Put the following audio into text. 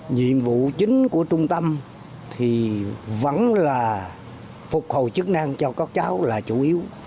nhiệm vụ chính của trung tâm thì vẫn là phục hồi chức năng cho các cháu là chủ yếu